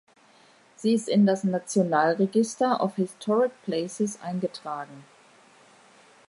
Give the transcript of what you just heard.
Sie ist in das National Register of Historic Places eingetragen.